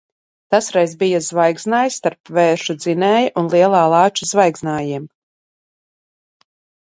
Tas reiz bija zvaigznājs starp Vēršu Dzinēja un Lielā Lāča zvaigznājiem.